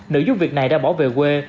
nữ giúp việc này đã bỏ về quê